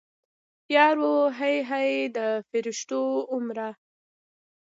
یارو هی هی د فریشتو اورمه